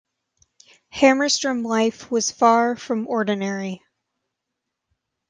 Hamerstrom life was far from ordinary.